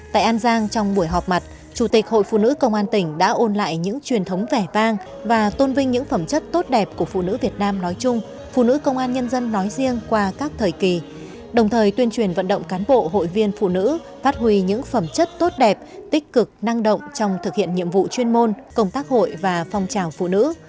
tại an giang trong buổi họp mặt chủ tịch hội phụ nữ công an tỉnh đã ôn lại những truyền thống vẻ vang và tôn vinh những phẩm chất tốt đẹp của phụ nữ việt nam nói chung phụ nữ công an nhân dân nói riêng qua các thời kỳ đồng thời tuyên truyền vận động cán bộ hội viên phụ nữ phát huy những phẩm chất tốt đẹp tích cực năng động trong thực hiện nhiệm vụ chuyên môn công tác hội và phong trào phụ nữ